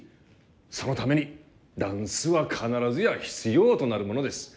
そのためにダンスは必ずや必要となるものです。